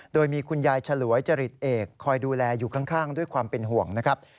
โดยมีคุณยายฉลวยจริตเอกคอยดูแลอยู่ข้างด้วยความเป็นห่วงนะครับ